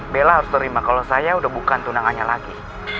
bella harus terima kalau saya udah bukan tunangannya lagi